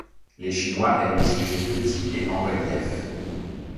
Les Chinois aiment les sujets petits et en relief.